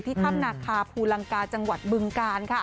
ถ้ำนาคาภูลังกาจังหวัดบึงกาลค่ะ